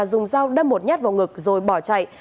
dùng dao đâm một nhát vào ngực rồi bỏ chạy